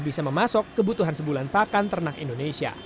bisa memasuk kebutuhan sebulan pakan ternak indonesia